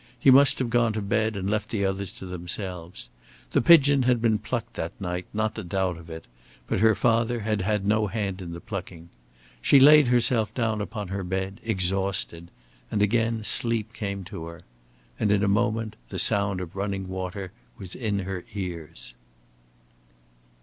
He must have gone to bed and left the others to themselves. The pigeon had been plucked that night, not a doubt of it, but her father had had no hand in the plucking. She laid herself down upon her bed, exhausted, and again sleep came to her. And in a moment the sound of running water was in her ears.